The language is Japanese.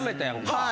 はい。